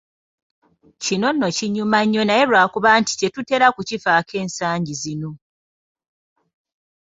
Kino nno kinyuma nnyo naye lwa kuba nti tetutera kukifaako ensangi zino.